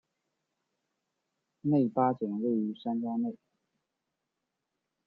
内八景位于山庄内。